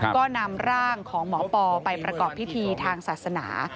ก็นำร่างของหมอปอไปประกอบพิธีทางศาสนา